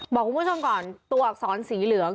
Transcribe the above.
บอกคุณผู้ชมก่อนตัวอักษรสีเหลือง